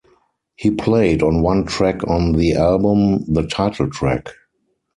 He played on one track on the album, the title track.